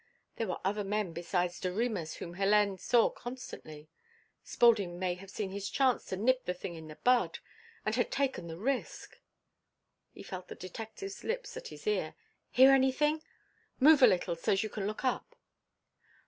There were other men besides Doremus whom Hélène saw constantly.... Spaulding may have seen his chance to nip the thing in the bud, and had taken the risk.... He felt the detective's lips at his ear: "Hear anything? Move a little so's you can look up."